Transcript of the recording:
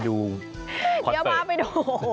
เดี๋ยวพาไปดู